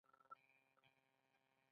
هغه د دریاب پر څنډه ساکت ولاړ او فکر وکړ.